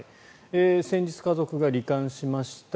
先日、家族が罹患しました。